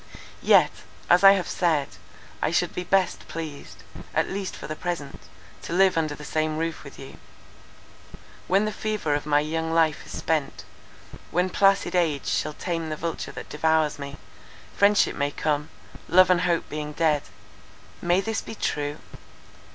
"Yet, as I have said, I should be best pleased, at least for the present, to live under the same roof with you. When the fever of my young life is spent; when placid age shall tame the vulture that devours me, friendship may come, love and hope being dead. May this be true?